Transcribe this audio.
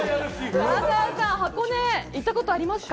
唐沢さん、箱根に行ったことありますか？